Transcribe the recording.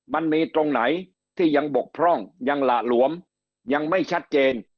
มันมีตรงไหนที่ยังบกพร่องยังหละหลวมยังไม่ชัดเจน